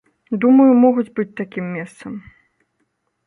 Думаю, могуць быць такім месцам.